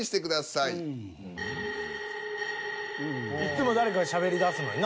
いっつも誰かがしゃべりだすのにな。